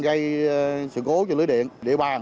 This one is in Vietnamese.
gây sự cố cho lưới điện địa bàn